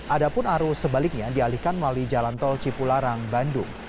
ada pun arus sebaliknya dialihkan melalui jalan tol cipularang bandung